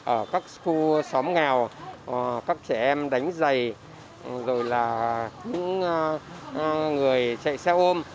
ở các khu xóm nghèo các trẻ em đánh giày rồi là những người chạy xe ôm